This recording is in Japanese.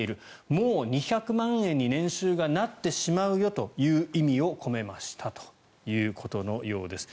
もう２００万円に年収がなってしまうよという意味を込めましたということのようです。